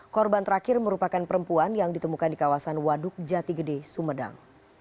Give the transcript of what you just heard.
korban terakhir merupakan perempuan yang ditemukan di kawasan waduk jati gede sumedang